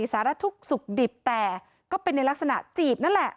สารทุกข์สุขดิบแต่ก็เป็นในลักษณะจีบนั่นแหละ